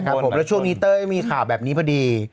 ครับผมแล้วช่วงนี้เต้ยมีข่าวแบบนี้พอดี